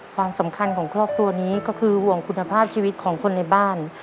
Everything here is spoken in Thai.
ความสำคัญของครอบครัวนี้ก็คือห่วงคุณภาพชีวิตของคนในบ้าน